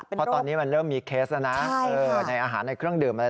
เพราะตอนนี้มันเริ่มมีเคสแล้วนะในอาหารในเครื่องดื่มอะไร